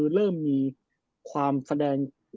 อาจจะยังไม่ได้ถึงขั้นเข้มข้น